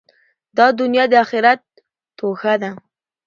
دا دؤنیا د آخرت توښه ده.